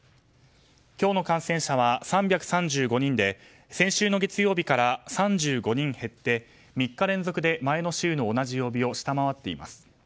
今日の感染者は３３５人で先週の月曜日から３５人減って３日連続で前の週の同じ曜日を下回っています。